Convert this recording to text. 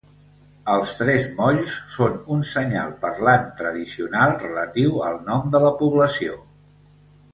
Els tres molls són un senyal parlant tradicional relatiu al nom de la població.